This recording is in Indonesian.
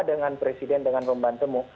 dengan presiden dengan pembantemu